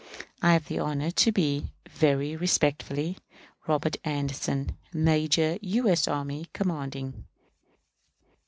I have the honor to be, very respectfully, ROBERT ANDERSON, _Major U. S. Army, commanding.